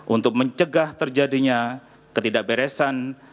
untuk mencegah terjadinya ketidakberesan